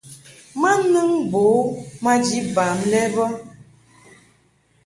Ma nɨŋ bo u maji bam lɛ bə.